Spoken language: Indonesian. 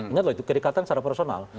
ingatlah itu kedekatan secara personal